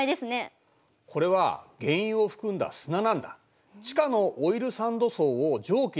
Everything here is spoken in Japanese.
これは原油を含んだ砂なんだ。